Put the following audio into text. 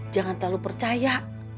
jangan terlalu percaya